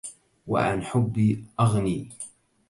وعن حبي أغني!